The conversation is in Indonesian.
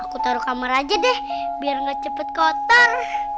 aku taruh kamar aja deh biar gak cepet kotor